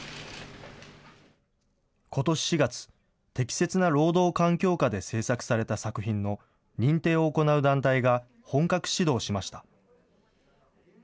ことし４月、適切な労働環境下で制作された作品の認定を行う団体が本格始動しました。